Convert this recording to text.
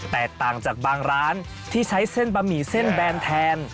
แตกต่างจากบางร้านที่ใช้เส้นบะหมี่เส้นแบนแทน